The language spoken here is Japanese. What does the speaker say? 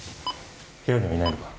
部屋にはいないのか？